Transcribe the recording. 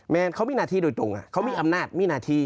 เขามีหน้าที่โดยตรงเขามีอำนาจมีหน้าที่